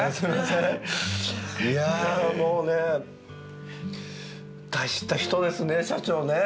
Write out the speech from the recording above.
いやもうね大した人ですね社長ね。